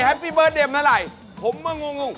โอ้โหเดี๋ยวนะคะ